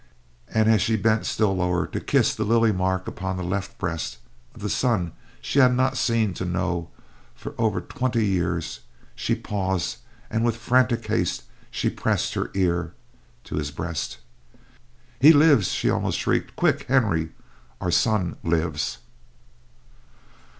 And as she bent still lower to kiss the lily mark upon the left breast of the son she had not seen to know for over twenty years, she paused, and with frantic haste she pressed her ear to his breast. "He lives!" she almost shrieked. "Quick, Henry, our son lives!"